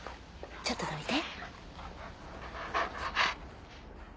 ちょっとどいて。